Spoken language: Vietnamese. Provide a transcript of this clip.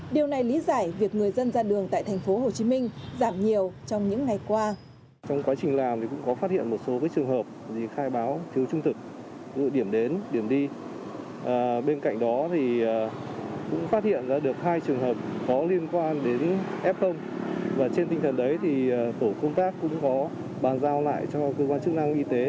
điều này lý giải việc người dân ra đường tại tp hcm giảm nhiều trong những ngày qua